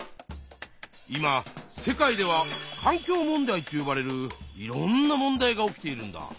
今世界では環境問題ってよばれるいろんな問題が起きているんだ。